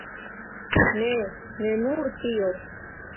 Ne, ne nur tio.